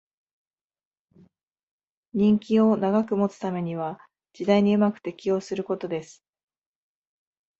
人気を長く保つためには時代にうまく適応することです